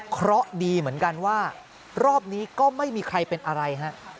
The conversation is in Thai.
เพราะดีเหมือนกันว่ารอบนี้ก็ไม่มีใครเป็นอะไรฮะ